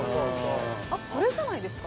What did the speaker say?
あっこれじゃないですか？